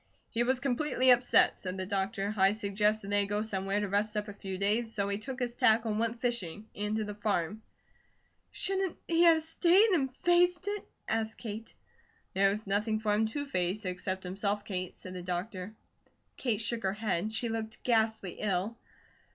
"He was completely upset," said the doctor. "I suggested that he go somewhere to rest up a few days, so he took his tackle and went fishing, and to the farm." "Shouldn't he have stayed and faced it?" asked Kate. "There was nothing for him to face, except himself, Kate," said the doctor. Kate shook her head. She looked ghastly ill.